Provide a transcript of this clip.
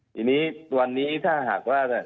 ทีนี้วันนี้ถ้าหากว่า